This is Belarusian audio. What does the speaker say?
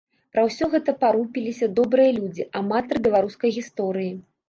Пра ўсё гэта парупіліся добрыя людзі, аматары беларускай гісторыі.